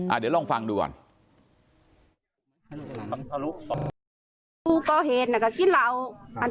เดี๋ยวลองฟังดูก่อน